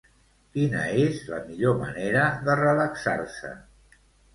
Quina és la millor manera de relaxar-se?